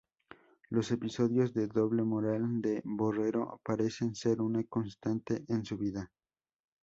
Los episodios de "doble moral" de Borrero parecen ser una constante en su vida.